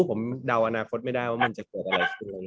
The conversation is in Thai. ผมเดาอนาคตไม่ได้ว่ามันจะเกิดอะไรขึ้น